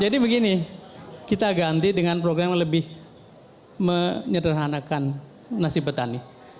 jadi begini kita ganti dengan program yang lebih menyederhanakan nasib petani